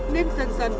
nên dần dần